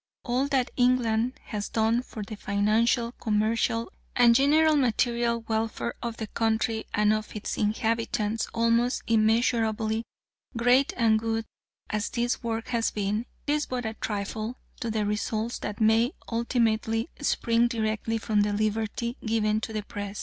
All that England has done for the financial, commercial, and general material welfare of the country and of its inhabitants, almost immeasurably great and good as this work has been, is but a trifle to the results that may ultimately spring directly from the liberty given to the Press.